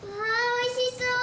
おいしそう！